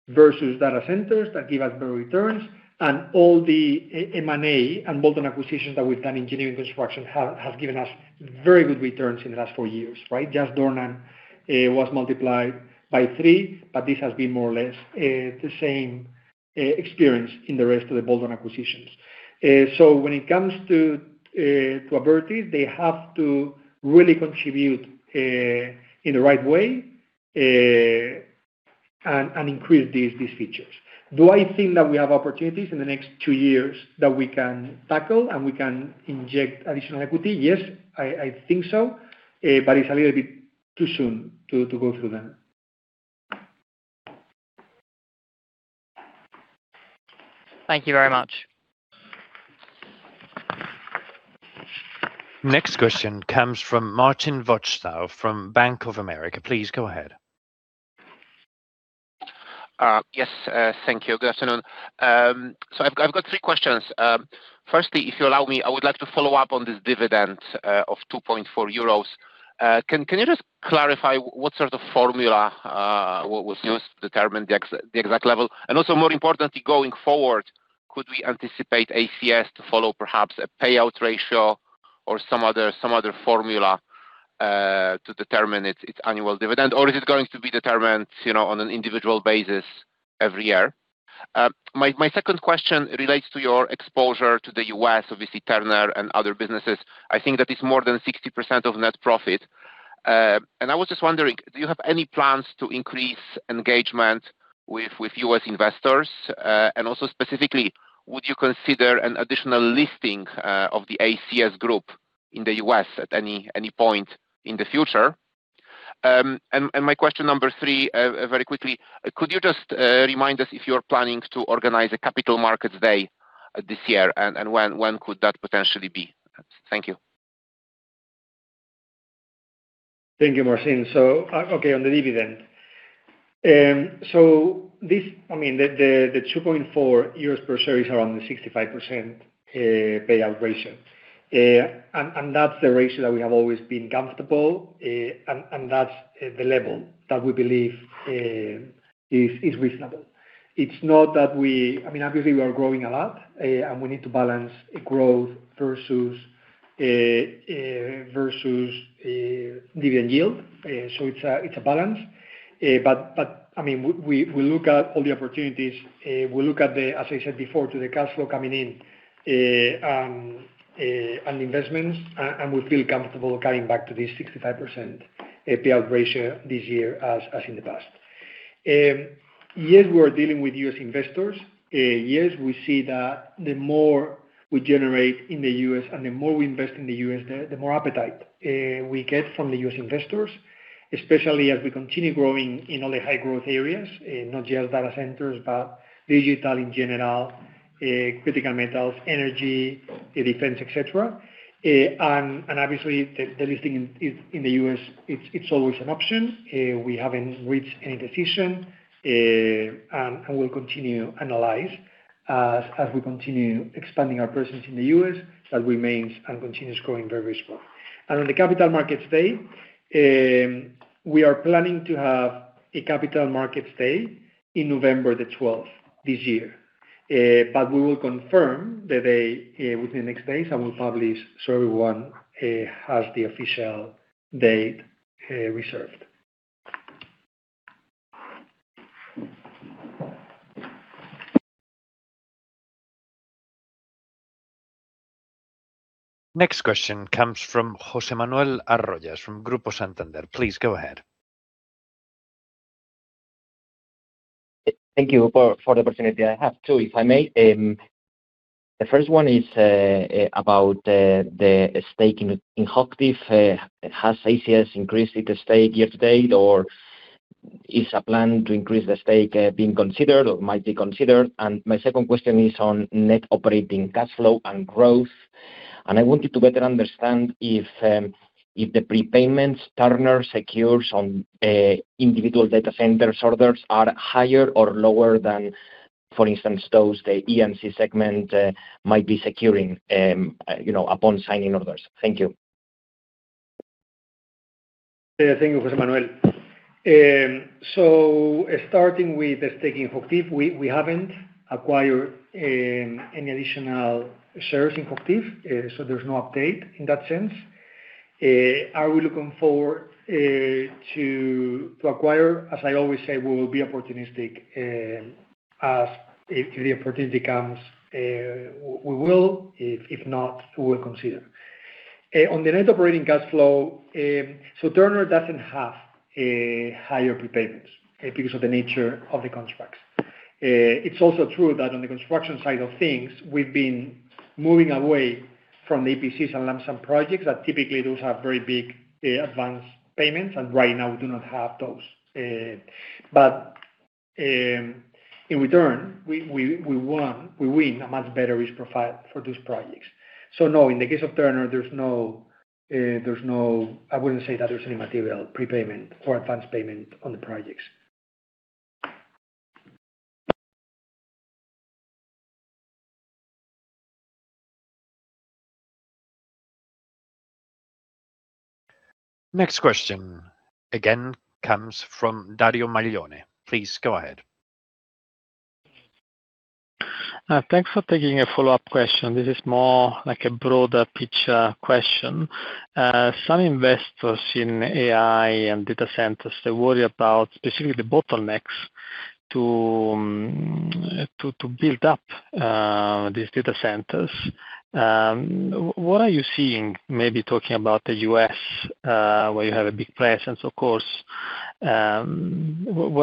versus data centers that give us better returns. All the M&A and bolt-on acquisitions that we've done in engineering construction have given us very good returns in the last four years, right? Just Dornan was multiplied by three, but this has been more or less the same experience in the rest of the bolt-on acquisitions. When it comes to Abertis, they have to really contribute in the right way, and increase these features. Do I think that we have opportunities in the next twoyears that we can tackle and we can inject additional equity? Yes, I think so, it's a little bit too soon to go through them. Thank you very much. Next question comes from Marcin Wojtal from Bank of America. Please go ahead. Thank you. Good afternoon. I've got three questions. Firstly, if you allow me, I would like to follow up on this dividend of 2.4 euros. Can you just clarify what sort of formula was used to determine the exact level? Also more importantly, going forward, could we anticipate ACS to follow perhaps a payout ratio or some other formula to determine its annual dividend? Is it going to be determined, you know, on an individual basis every year? My second question relates to your exposure to the U.S., obviously Turner and other businesses. I think that is more than 60% of net profit. I was just wondering, do you have any plans to increase engagement with U.S. investors? Also specifically, would you consider an additional listing of the ACS Group in the U.S. at any point in the future? My question number three, very quickly, could you just remind us if you're planning to organize a Capital Markets Day this year and when could that potentially be? Thank you. Thank you, Marcin. Okay, on the dividend. I mean, the 2.4 euros per share is around the 65% payout ratio. And that's the ratio that we have always been comfortable, and that's the level that we believe is reasonable. Obviously we are growing a lot, and we need to balance growth versus dividend yield. It's a balance. But I mean, we look at all the opportunities. We look at, as I said before, to the cash flow coming in, and investments, and we feel comfortable coming back to this 65% payout ratio this year as in the past. Yes, we are dealing with U.S. investors. Yes, we see that the more we generate in the U.S. and the more we invest in the U.S., the more appetite we get from the U.S. investors, especially as we continue growing in all the high growth areas, not just data centers, but digital in general, critical metals, energy, defense, et cetera. Obviously the listing in the U.S. it's always an option. We haven't reached any decision and we'll continue analyze as we continue expanding our presence in the U.S. that remains and continues growing very strong. On the Capital Markets Day, we are planning to have a Capital Markets Day in November the 12th this year. We will confirm the day within the next days and we will publish so everyone has the official date reserved. Next question comes from José Manuel Arroyas from Grupo Santander. Please go ahead. Thank you for the opportunity. I have two, if I may. The first one is about the stake in HOCHTIEF. Has ACS increased its stake year to date, or is a plan to increase the stake being considered or might be considered? My second question is on net operating cash flow and growth. I wanted to better understand if the prepayments Turner secures on individual data centers orders are higher or lower than for instance, those the EPCs segment might be securing, you know, upon signing orders. Thank you. Thank you, José Manuel. Starting with the stake in HOCHTIEF, we haven't acquired any additional shares in HOCHTIEF, There's no update in that sense. Are we looking forward to acquire? As I always say, we will be opportunistic, as if the opportunity comes, we will. If not, we will consider. On the net operating cash flow, Turner doesn't have higher prepayments because of the nature of the contracts. It's also true that on the construction side of things, we've been moving away from the EPCs and lump sum projects that typically those have very big advanced payments, and right now we do not have those. In return, we win a much better risk profile for those projects. No, in the case of Turner, there's no, there's no I wouldn't say that there's any material prepayment or advance payment on the projects. Next question again comes from Dario Maglione. Please go ahead. Thanks for taking a follow-up question. This is more like a broader picture question. Some investors in AI and data centers, they worry about specifically the bottlenecks to build up these data centers. What are you seeing maybe talking about the U.S., where you have a big presence, of course. What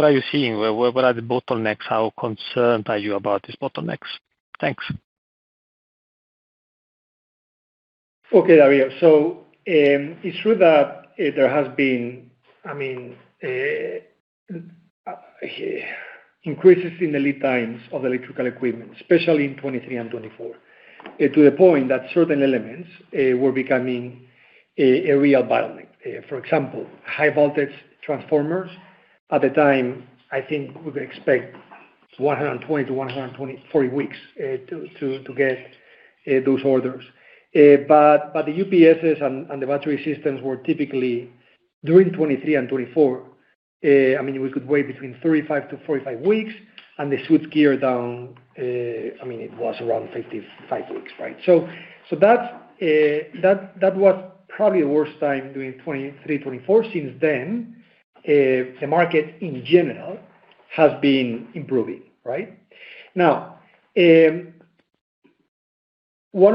are you seeing? What are the bottlenecks? How concerned are you about these bottlenecks? Thanks. Okay, Dario. It's true that there has been, I mean, increases in the lead times of electrical equipment, especially in 2023 and 2024, to the point that certain elements were becoming a real bottleneck. For example, high voltage transformers at the time, I think we could expect 120 to 124 weeks to get those orders. The UPSs and the battery systems were typically during 2023 and 2024, I mean, we could wait between 35 to 45 weeks, and they should gear down, I mean, it was around 55 weeks, right? That's that was probably the worst time during 2023, 2024. Since then, the market in general has been improving, right? One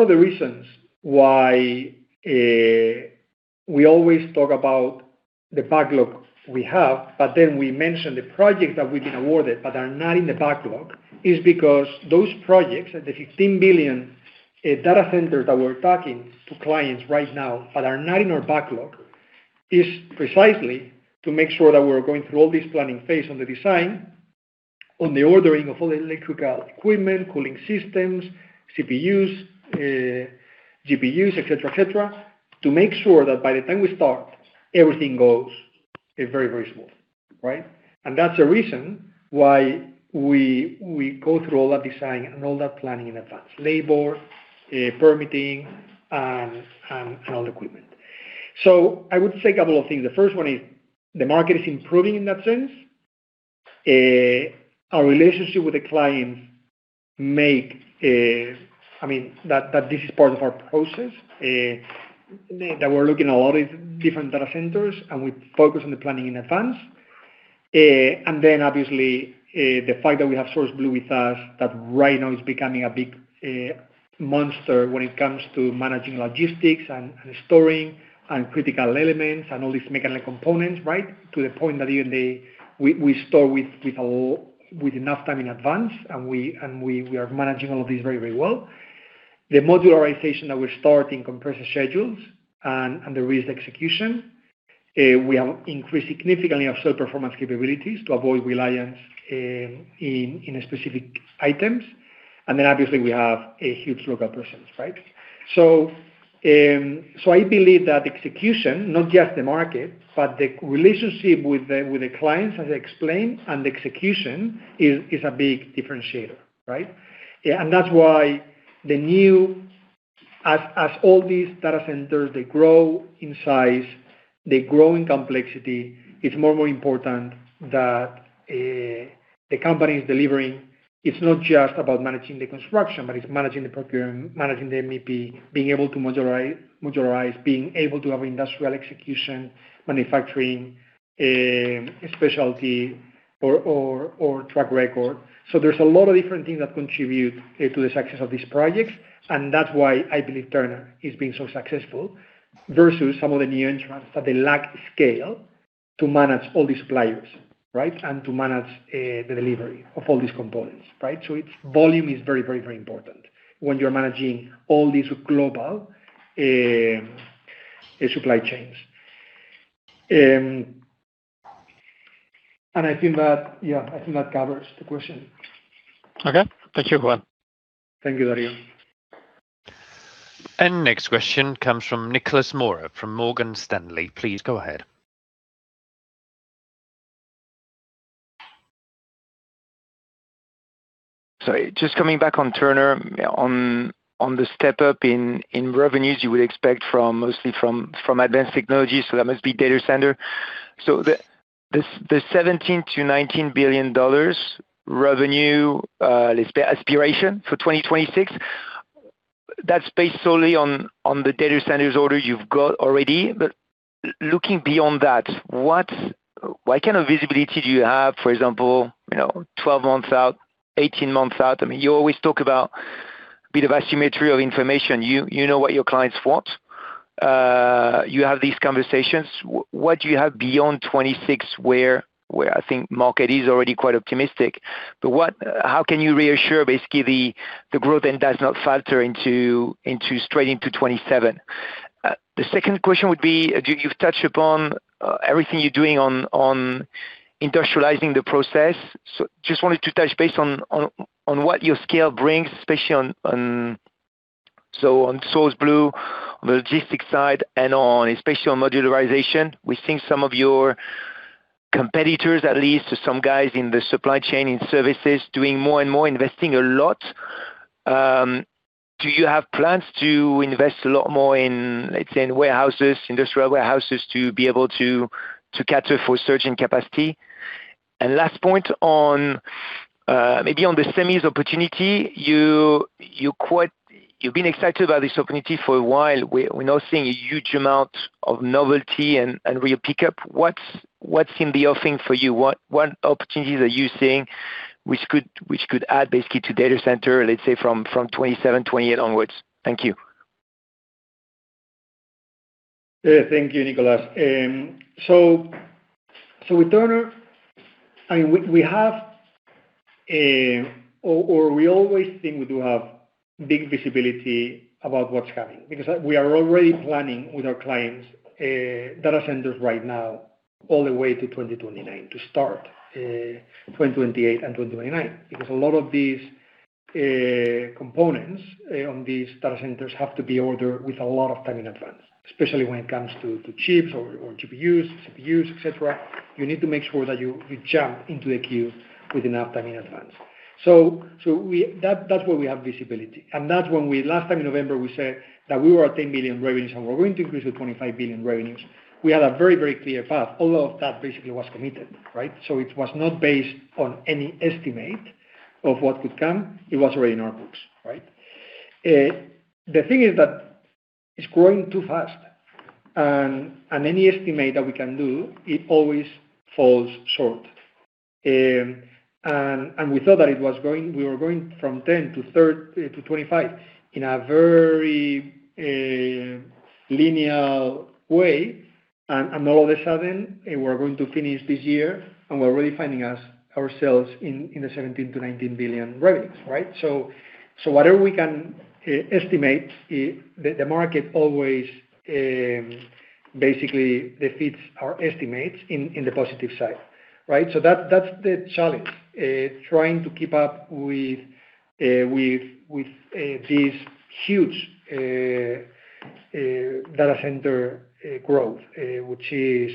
of the reasons why we always talk about the backlog we have, but then we mention the projects that we've been awarded but are not in the backlog, is because those projects, the 15 billion data centers that we're talking to clients right now that are not in our backlog, is precisely to make sure that we're going through all this planning phase on the design, on the ordering of all electrical equipment, cooling systems, CPUs, GPUs, et cetera, et cetera, to make sure that by the time we start, everything goes very, very smooth, right. That's the reason why we go through all that design and all that planning in advance: labor, permitting, and all the equipment. I would say a couple of things. The first one is the market is improving in that sense. Our relationship with the clients make, I mean, that this is part of our process, that we're looking at a lot of different data centers, and we focus on the planning in advance. And then obviously, the fact that we have SourceBlue with us, that right now is becoming a big monster when it comes to managing logistics and storing and critical elements and all these mechanical components, right. To the point that even we store with enough time in advance, and we are managing all of this very well. The modularization that we start in compresses schedules and the risk execution. We have increased significantly our self-performance capabilities to avoid reliance in a specific items. And then obviously, we have a huge local presence, right. I believe that execution, not just the market, but the relationship with the clients, as I explained, and the execution is a big differentiator, right? That's why all these data centers, they grow in size, they grow in complexity. It's more and more important that the company is delivering. It's not just about managing the construction, but it's managing the procurement, managing the MEP, being able to modularize, being able to have industrial execution, manufacturing, specialty or track record. There's a lot of different things that contribute to the success of these projects, and that's why I believe Turner is being so successful versus some of the new entrants that they lack scale to manage all these suppliers, right? To manage the delivery of all these components, right? Its volume is very, very, very important when you're managing all these global, supply chains. I think that, yeah, I think that covers the question. Okay. Thank you, Juan. Thank you, Dario. Next question comes from Nicolas Mora from Morgan Stanley. Please go ahead. Sorry, just coming back on Turner on the step up in revenues you would expect from mostly from advanced technology. That must be data center. The $17 billion-$19 billion revenue, let's say aspiration for 2026, that's based solely on the data centers orders you've got already. Looking beyond that, what kind of visibility do you have, for example, you know, 12 months out, 18 months out? I mean, you always talk about a bit of asymmetry of information. You know what your clients want. You have these conversations. What do you have beyond 2026 where I think market is already quite optimistic. How can you reassure basically the growth then does not falter into straight into 2027? The second question would be, you've touched upon everything you're doing on industrializing the process. Just wanted to touch base on what your scale brings, especially on SourceBlue logistics side and on especially on modularization. We think some of your competitors, at least some guys in the supply chain in services, doing more and more, investing a lot. Do you have plans to invest a lot more in, let's say, in warehouses, industrial warehouses, to be able to cater for surge in capacity? Last point on maybe on the semis opportunity. You've been excited about this opportunity for a while. We're now seeing a huge amount of novelty and real pickup. What's in the offing for you? What opportunities are you seeing which could add basically to data center, let's say from 2027, 2028 onwards? Thank you. Thank you, Nicolas. I mean, with Turner, we have, or we always think we do have big visibility about what's coming because we are already planning with our clients, data centers right now all the way to 2029 to start 2028 and 2029. A lot of these components on these data centers have to be ordered with a lot of time in advance, especially when it comes to chips or GPUs, CPUs, et cetera. You need to make sure that you jump into a queue with enough time in advance. That's where we have visibility, and that's when we last time in November, we said that we were at 10 billion revenues, and we're going to increase to 25 billion revenues. We had a very clear path. All of that basically was committed, right? It was not based on any estimate of what could come. It was already in our books, right? The thing is that it's growing too fast and any estimate that we can do, it always falls short. We thought that we were going from 10 billion to 25 billion in a very linear way. All of a sudden, we're going to finish this year, and we're already finding ourselves in the 17 billion-19 billion revenues, right? Whatever we can estimate, the market always basically defeats our estimates in the positive side, right? That's the challenge, trying to keep up with this huge data center growth, which is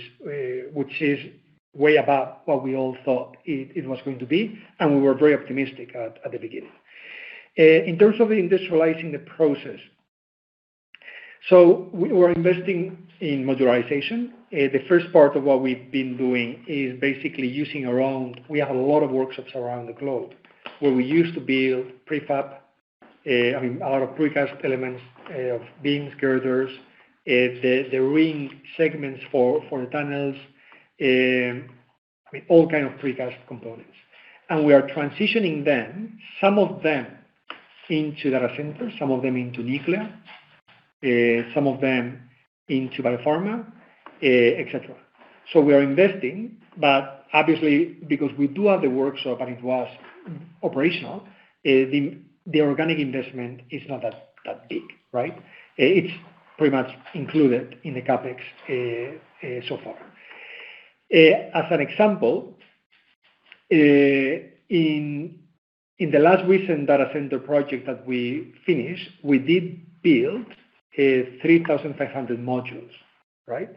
way above what we all thought it was going to be. We were very optimistic at the beginning. In terms of industrializing the process. We were investing in modularization. The first part of what we've been doing is basically using our own. We have a lot of workshops around the globe where we used to build prefab, a lot of precast elements of beams, girders, the ring segments for tunnels, all kind of precast components. We are transitioning them, some of them into data centers, some of them into nuclear, some of them into biopharma, et cetera. We are investing, but obviously because we do have the workshop and it was operational, the organic investment is not that big, right? It's pretty much included in the CapEx so far. As an example, in the last recent data center project that we finished, we did build 3,500 modules, right?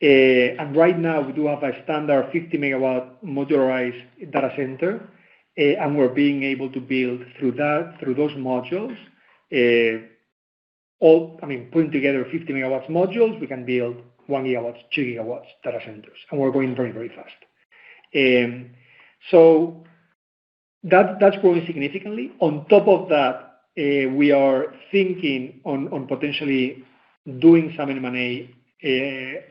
And right now we do have a standard 50 MW modularized data center. And we're being able to build through that, through those modules, I mean, putting together 50 MW modules, we can build 1 GW, 2 GW data centers. And we're going very, very fast. That's growing significantly. On top of that, we are thinking on potentially doing some M&A,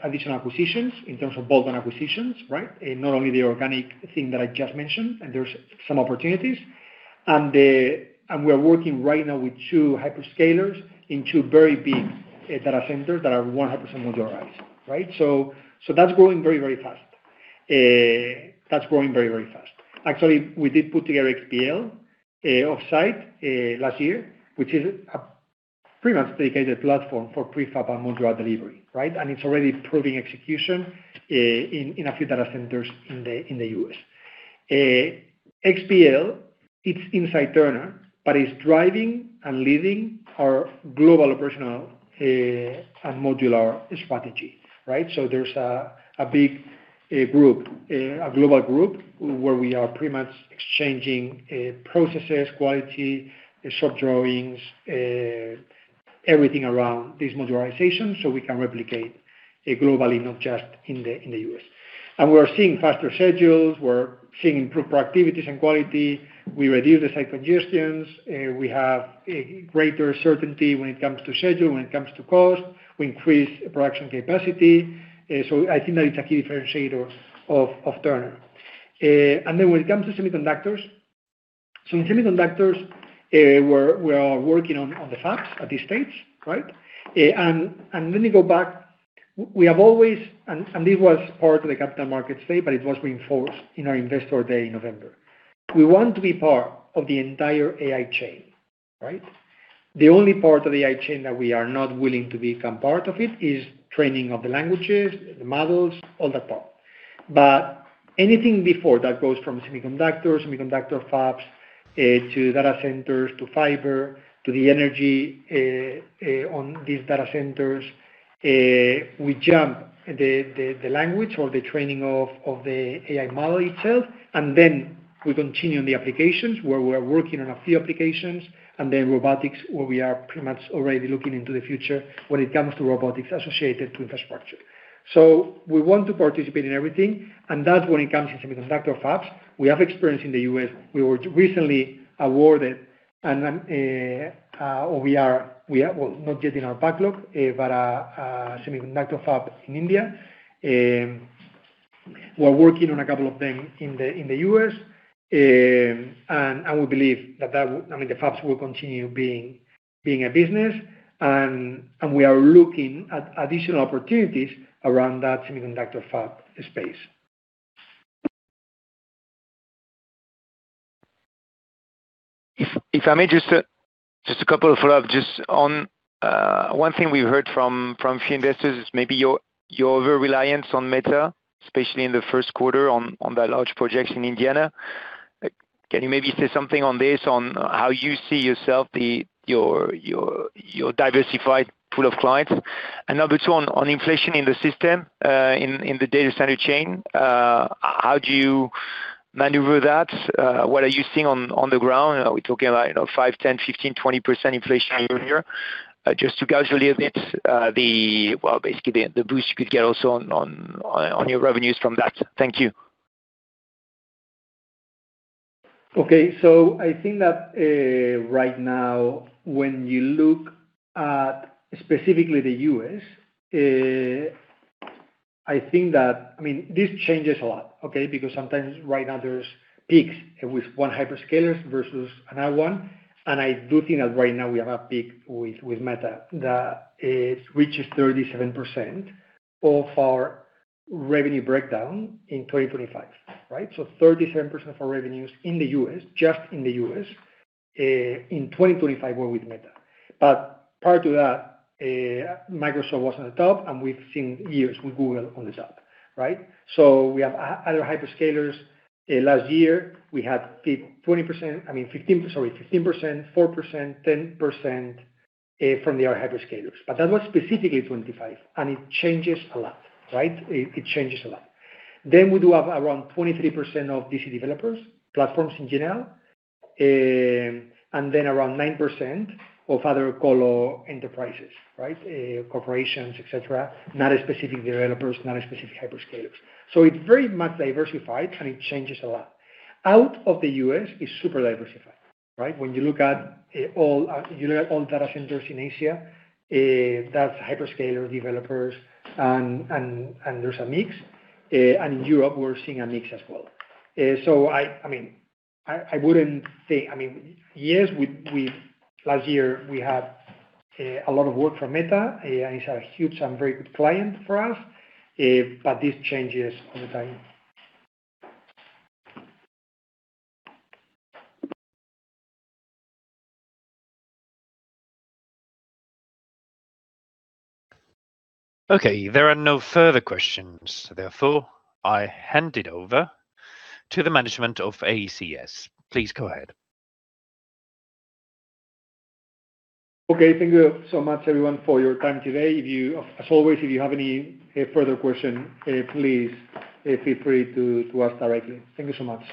additional acquisitions in terms of bolt-on acquisitions, right? Not only the organic thing that I just mentioned, there's some opportunities. We are working right now with two hyperscalers in two very big data centers that are 100% modularized, right? That's growing very fast. That's growing very fast. Actually, we did put together xPL Offsite last year, which is a pretty much dedicated platform for prefab and modular delivery, right? It's already proving execution in a few data centers in the U.S. xPL, it's inside Turner, but it's driving and leading our global operational and modular strategy, right? There's a big group, a global group where we are pretty much exchanging processes, quality, shop drawings, everything around this modularization so we can replicate globally, not just in the U.S. We are seeing faster schedules, we're seeing improved productivities and quality. We reduce the site congestions. We have a greater certainty when it comes to schedule, when it comes to cost. We increase production capacity. I think that it's a key differentiator of Turner. When it comes to semiconductors. In semiconductors, we are working on the fabs at this stage, right? Let me go back. We have always this was part of the Capital Markets Day, but it was reinforced in our Investor Day in November. We want to be part of the entire AI chain, right? The only part of the AI chain that we are not willing to become part of it is training of the languages, the models, all that part. Anything before that goes from semiconductors, semiconductor fabs, to data centers, to fiber, to the energy on these data centers. We jump the language or the training of the AI model itself, we continue on the applications where we are working on a few applications, and robotics, where we are pretty much already looking into the future when it comes to robotics associated to infrastructure. We want to participate in everything, and that's when it comes to semiconductor fabs. We have experience in the U.S. We were recently awarded, well, not yet in our backlog, but a semiconductor fab in India. We're working on a couple of them in the U.S. We believe that I mean, the fabs will continue being a business. We are looking at additional opportunities around that semiconductor fab space. If I may just a couple of follow-up just on one thing we heard from a few investors is maybe your over-reliance on Meta, especially in the first quarter on that large project in Indiana. Can you maybe say something on this, on how you see yourself, your diversified pool of clients? Number two, on inflation in the system, in the data center chain, how do you maneuver that? What are you seeing on the ground? Are we talking about, you know, 5%, 10%, 15%, 20% inflation year-over-year? Just to gauge a little bit, Well, basically the boost you could get also on your revenues from that. Thank you. Okay. I think that, right now, when you look at specifically the U.S., I think that this changes a lot, okay? Because sometimes right now there's peaks with one hyperscalers versus another one. I do think that right now we have a peak with Meta that reaches 37% of our revenue breakdown in 2025, right? 37% of our revenues in the U.S., just in the U.S., in 2025 were with Meta. Prior to that, Microsoft was on the top, and we've seen years with Google on the top, right? We have other hyperscalers. Last year, we had peak 20%, 15%, 4%, 10% from the other hyperscalers. That was specifically 25, and it changes a lot, right? It changes a lot. We do have around 23% of DC developers, platforms in general, and around 9% of other colo enterprises, right? Corporations, et cetera. Not a specific developers, not a specific hyperscalers. It very much diversified, and it changes a lot. Out of the U.S., it's super diversified, right? When you look at all, you look at all data centers in Asia, that's hyperscaler developers and there's a mix. And in Europe, we're seeing a mix as well. I mean, I wouldn't say I mean, yes, we last year, we had a lot of work from Meta. It's a huge and very good client for us, this changes all the time. Okay. There are no further questions. I hand it over to the management of ACS. Please go ahead. Okay. Thank you so much everyone for your time today. As always, if you have any further question, please feel free to ask directly. Thank you so much.